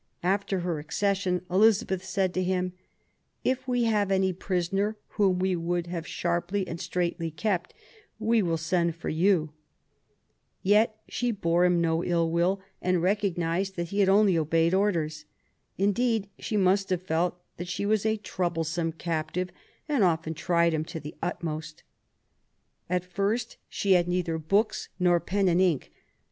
After her accession, Elizabeth said to him :If we have any prisoner whom we would have sharply and THE YOUTH OP ELIZABETH, 31 straitly kept, we will send for you ". Yet she bore him no ill will, and recognised that he only obeyed orders. Indeed she must have felt that she was a troublesome captive and often tried him to the utmost. At first, she had neither books, nor pen and ink.